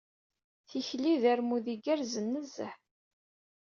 Tikli d armud igerrzen nezzeh.